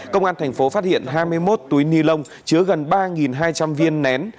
công an thành phố phát hiện hai mươi một túi ni lông chứa gần ba hai trăm linh viên nén